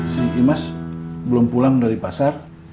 sing imas belum pulang dari pasar